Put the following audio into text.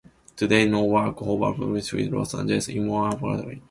Today, no work of public art in Los Angeles is more photographed.